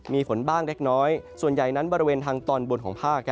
มีฝนบ้างเล็กน้อยส่วนใหญ่นั้นบริเวณทางตอนบนของภาค